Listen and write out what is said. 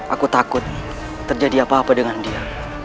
aku takut terjadi apa apa dengan dia